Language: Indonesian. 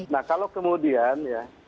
nah kalau kemudian